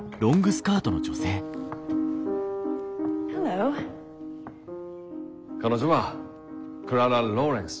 Ｈｅｌｌｏ．彼女はクララ・ローレンス。